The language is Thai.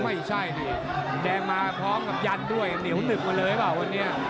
ไม่ใช่ดิแดงมาพร้อมกับยันด้วยเหนียวหนึบมาเลยหรือเปล่าวันนี้